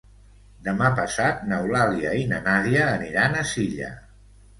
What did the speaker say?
Demà passat n'Eulàlia i na Nàdia aniran a Silla.